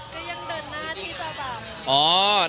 ก็ยังเดินหน้าที่เจ้าบาง